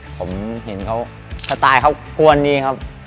ผมเห็นเขาสไตล์เขากวนดีครับ